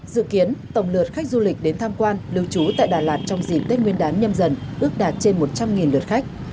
dự kiến tổng lượt khách du lịch đến tham quan lưu trú tại đà lạt trong dịp tết nguyên đán nhâm dần ước đạt trên một trăm linh lượt khách